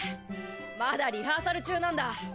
まだリハーサル中なんだ。